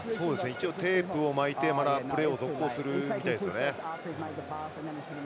テープを巻いてプレーを続行するみたいですね。